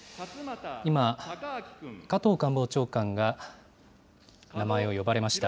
今、加藤官房長官が名前を呼ばれました。